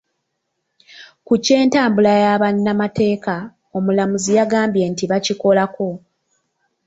Ku ky'entambula ya bannamateeka omulamuzi yagambye nti bakikolako.